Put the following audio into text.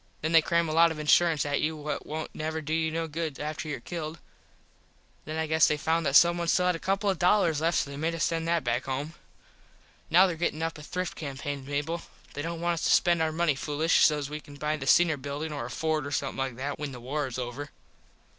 Then they cram a lot of insurence at you what wont never do you no good after your killed. Then I guess they found that someone still had a couple of dollars left so they made us send that back home. Now there gettin up a thrift campain Mable. They dont want us to spend our money foolish sos we can buy the Singer Buildin or a Ford or somethin like that when the war is over.